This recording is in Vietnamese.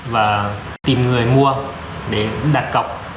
và tìm người mua để đặt cọc